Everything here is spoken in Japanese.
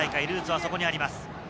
ルーツはそこにあります。